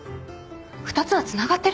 ２つはつながってる！？